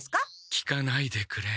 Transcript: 聞かないでくれ。